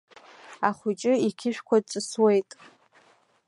Ахәыҷы иқьышәқәа ҵысуеит!